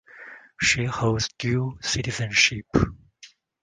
She holds dual citizenship.